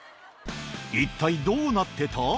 一体どうなってた？